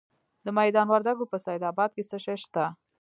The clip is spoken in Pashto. د میدان وردګو په سید اباد کې څه شی شته؟